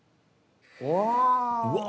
うわ。